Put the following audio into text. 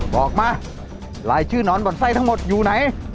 บอกมาลายชื่อนอนบ่อนไส้ทั้งหมดอยู่ไหน